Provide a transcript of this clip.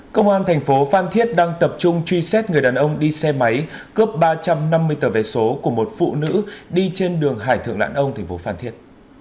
công an thành phố phan thiết đang tập trung truy xét người đàn ông đi xe máy cướp ba trăm năm mươi tờ vé số của một phụ nữ đi trên đường hải thượng lãn ông thành phố phan thiết